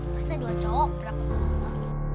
pasti dua cowok berakut semua